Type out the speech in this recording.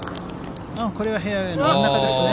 これはフェアウエーの真ん中ですね。